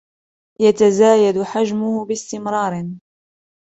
يتزايد حجمه باستمرار